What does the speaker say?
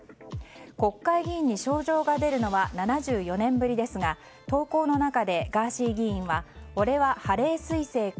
国会議員に招状が出るのは７４年ぶりですが投稿の中で、ガーシー議員はオレはハレー彗星か！